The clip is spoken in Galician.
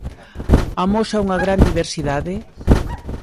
Amosa unha gran diversidade?